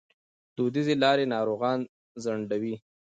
دودیزې لارې ناروغان ځنډوي.